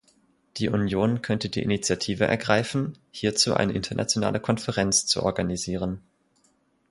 Die Union könnte die Initiative ergreifen, hierzu eine internationale Konferenz zu organisieren.